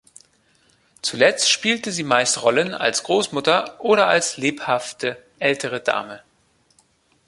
Zuletzt spielte sie meist Rollen als Großmutter oder als lebhafte ältere Dame.